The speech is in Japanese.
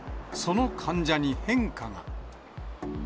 その患者に変化が。